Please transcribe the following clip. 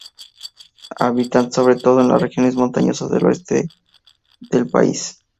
Habitan sobre todo en las regiones montañosas del oeste del país.